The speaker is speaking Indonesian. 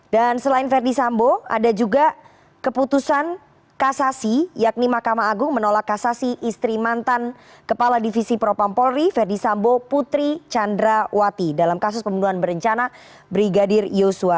dan selain ferdi sambo ada juga keputusan kasasi yakni mahkamah agung menolak kasasi istri mantan kepala divisi propampolri ferdi sambo putri candrawati dalam kasus pembunuhan berencana brigadir yosua